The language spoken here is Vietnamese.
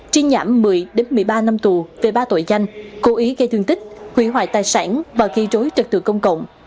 trí nhãm một mươi một mươi ba năm tù về ba tội danh cố ý gây thương tích hủy hoại tài sản và ghi rối trật tự công cộng